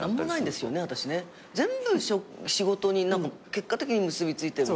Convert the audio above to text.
全部仕事に結果的に結び付いてる。